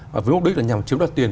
với mục đích là nhằm chiếm đặt tiền